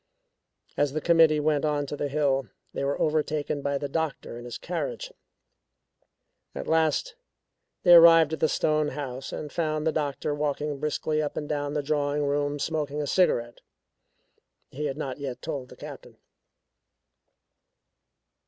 As the committee went on to the hill, they were overtaken by the doctor in his carriage. At last they arrived at the stone house and found the doctor walking briskly up and down the drawing room smoking a cigarette he had not yet told the Captain.